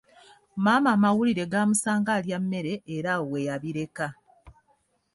Maama amawulire gaamusanga alya mmere era awo weyabireka.